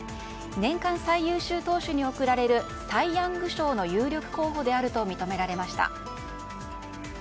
年間最優秀投手に贈られるサイ・ヤング賞の有力候補であると認められました。